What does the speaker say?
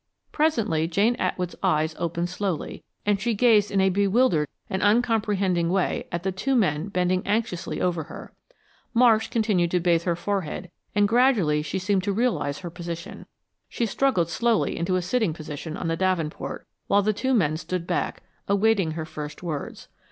Presently Jane Atwood's eyes opened slowly, and she gazed in a bewildered and uncomprehending way at the two men bending anxiously over her. Marsh continued to bathe her forehead and gradually she seemed to realize her position. She struggled slowly into a sitting position on the davenport while the two men stood back, awaiting her first words.